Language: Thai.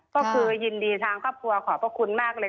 ก็คือยินดีทางครอบครัวขอบพระคุณมากเลย